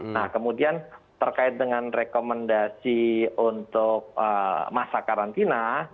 nah kemudian terkait dengan rekomendasi untuk masa karantina